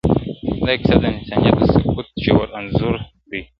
دا کيسه د انسانيت د سقوط ژور انځور دی,